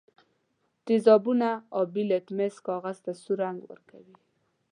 تیزابونه آبي لتمس کاغذ ته سور رنګ ورکوي.